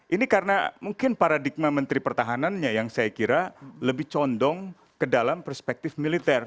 ini karena mungkin paradigma menteri pertahanannya yang saya kira lebih condong ke dalam perspektif militer